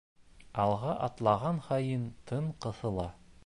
Алға атлаған һайын тын ҡыҫыла.